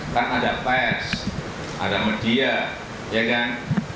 kan ada pers ada media ya kan